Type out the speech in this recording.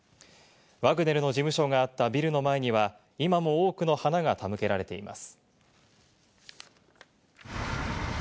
ワグネルの事務所があったビルの前には、今も多くの花が手向けられています。